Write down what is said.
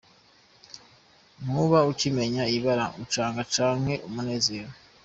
Ntuba ukimenya ibara, icanga, canke umunezero.